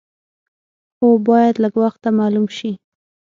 هو باید لږ وخته معلوم شي.